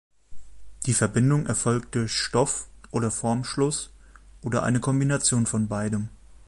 Die Verbindung erfolgt durch Stoff- oder Formschluss oder eine Kombination von beidem.